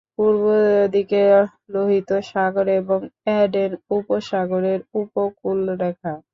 পূর্ব দিকে লোহিত সাগর এবং এডেন উপসাগরের উপকূলরেখা।